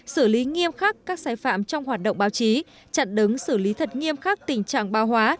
xử lý nghiêm khắc các sai phạm trong hoạt động báo chí chặn đứng xử lý thật nghiêm khắc tình trạng báo hóa